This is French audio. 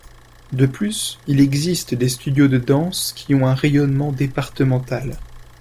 De plus, il existe des studios de danse qui ont un rayonnement départemental.